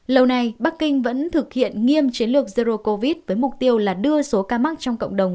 lâu nay bắc kinh vẫn thực hiện nghiêm chiến lược zero covid với mục tiêu là đưa số ca mắc trong cộng đồng